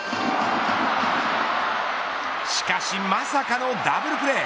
しかし、まさかのダブルプレー。